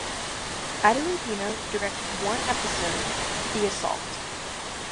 Ida Lupino directed one episode, "The Assault".